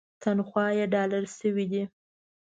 تنخوا یې ډالري شوې.